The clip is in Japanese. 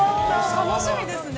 楽しみですね。